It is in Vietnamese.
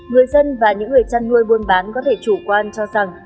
người dân và những người chăn nuôi buôn bán có thể chủ quan cho rằng